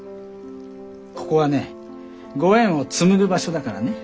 ここはねご縁を紡ぐ場所だからね。